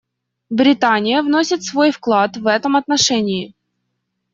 Британия вносит свой вклад в этом отношении.